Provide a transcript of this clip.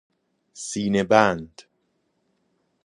سینه بند